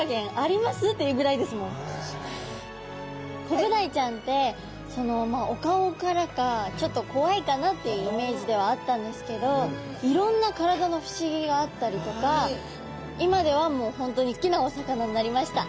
コブダイちゃんってそのまあお顔からかちょっとこわいかなっていうイメージではあったんですけどいろんな体の不思議があったりとか今ではもう本当に好きなお魚になりました。